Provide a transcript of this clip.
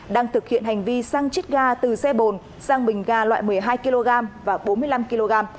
đang thực hiện hành vi xăng chích ga từ xe bồn sang bình ga loại một mươi hai kg và bốn mươi năm kg